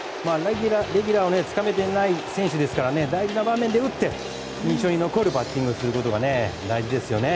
レギュラーをつかめていない選手ですから大事な場面で打って印象に残るバッティングをすることが大事ですよね。